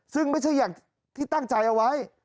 ซึ่งไม่ใช่อย่างที่ตั้งใจเอาไว้